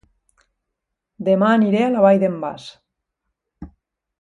Dema aniré a La Vall d'en Bas